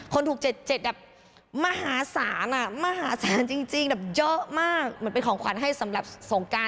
คนถูก๗๗แบบมหาศาลมหาศาลจริงแบบเยอะมากเหมือนเป็นของขวัญให้สำหรับสงการ